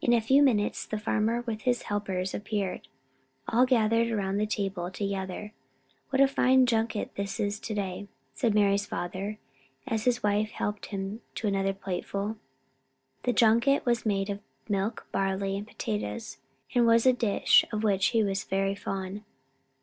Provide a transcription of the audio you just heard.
In a few minutes the farmer and his helpers appeared. All gathered around the table together. "What a fine junket this is to day," said Mari's father, as his wife helped him to another plateful. The junket was made of milk, barley, and potatoes, and was a dish of which he was very fond.